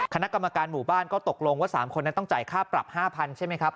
คณะกรรมการหมู่บ้านก็ตกลงว่า๓คนนั้นต้องจ่ายค่าปรับ๕๐๐ใช่ไหมครับ